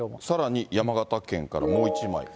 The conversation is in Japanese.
さらに山形県からもう１枚。